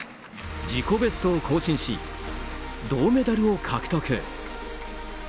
自己ベストを更新し銅メダルを獲得。